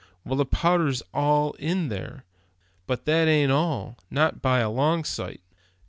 Well, the power is all there. But that ain't all, not by a long sight."